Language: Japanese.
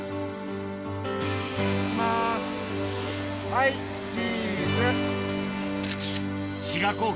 はいチーズ。